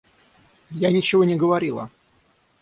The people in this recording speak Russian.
Я ничего не говорила!